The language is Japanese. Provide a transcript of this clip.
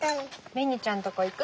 ベニちゃんとこ行く？